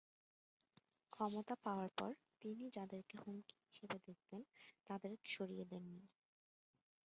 ক্ষমতা পাওয়ার পর তিনি যাদেরকে হুমকি হিসেবে দেখতেন তাদের সরিয়ে দেননি।